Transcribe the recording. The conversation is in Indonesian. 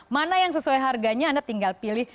mana yang sesuai harganya anda tinggal pilih